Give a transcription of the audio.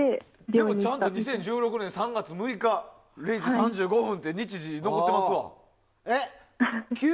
でもちゃんと２０１６年３月６日０時３５分って日時残っていますわ。